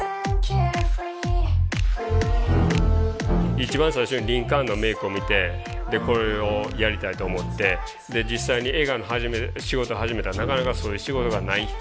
一番最初にリンカーンのメイクを見てこれをやりたいと思ってで実際に映画の仕事始めたらなかなかそういう仕事がない。